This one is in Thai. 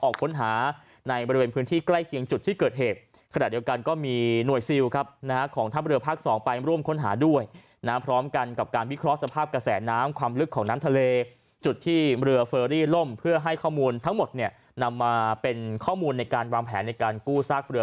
ออกค้นหาในบริเวณพื้นที่ใกล้เคียงจุดที่เกิดเหตุ